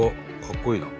かっこいいな。